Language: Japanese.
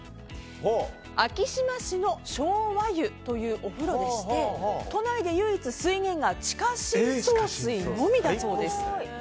昭島市の昭和湯というお風呂でして都内で唯一水源が地下深層水のみだそうです。